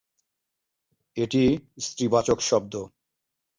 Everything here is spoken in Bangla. এটি স্ত্রী-বাচক শব্দ।